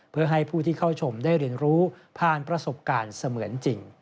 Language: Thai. เพื่อให้ผู้ที่เข้าชมได้เรียนรู้ผ่านประสบการณ์เสมือนจริง